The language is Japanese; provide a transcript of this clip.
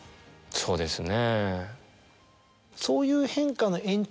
そうですね。